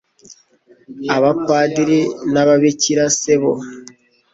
abapadiri n'ababikira se bo